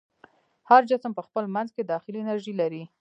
هر جسم په خپل منځ کې داخلي انرژي لري.